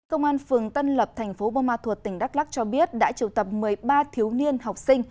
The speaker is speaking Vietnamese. công an phường tân lập thành phố bô ma thuật tỉnh đắk lắc cho biết đã triều tập một mươi ba thiếu niên học sinh